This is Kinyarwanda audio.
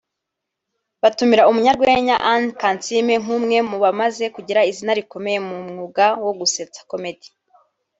batumira umunyarwenya Anne Kansime nk’umwe mubamaze kugira izina rikomeye mu mwuga wo gusetsa(comedy)